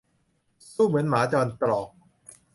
สู้เหมือนหมาจนตรอก